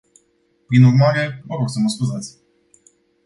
Prin urmare, vă rog să mă scuzați.